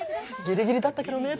ギリギリだったけどね